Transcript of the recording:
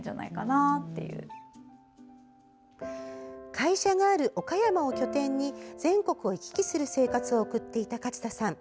会社がある岡山を拠点に全国を行き来する生活を送っていた勝田さん。